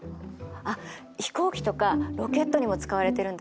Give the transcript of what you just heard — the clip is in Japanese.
あっ飛行機とかロケットにも使われてるんだって。